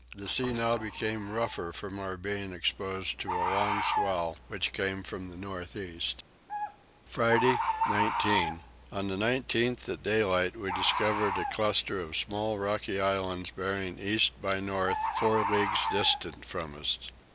The sea now became rougher from our being exposed to a long swell which came from the north east. Friday 19. On the 19th at daylight we discovered a cluster of small rocky islands bearing east by north four leagues distant from us.